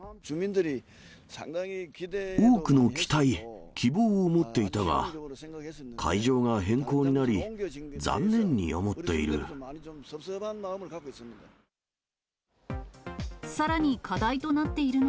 多くの期待、希望を持っていたが、会場が変更になり、残念に思っている。